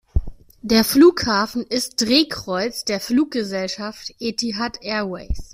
Der Flughafen ist Drehkreuz der Fluggesellschaft Etihad Airways.